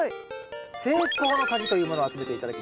成功の鍵というものを集めて頂きます。